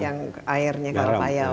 airnya kalau payah